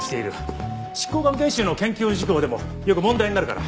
執行官研修の研究事項でもよく問題になるから。